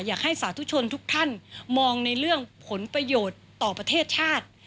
สาธุชนทุกท่านมองในเรื่องผลประโยชน์ต่อประเทศชาติ